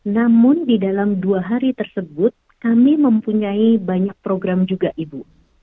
namun di dalam dua hari tersebut kami mempunyai banyak program juga ibu